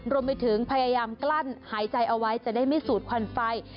รวมไปถึงพยายามกลั้นหายใจเอาไว้จะได้ไม่สูดควันไฟ